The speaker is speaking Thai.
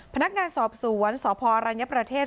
พนักงานสอบสวนสพอรัญญประเทศ